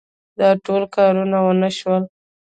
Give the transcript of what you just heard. دا ټوله کارونه ونه شول.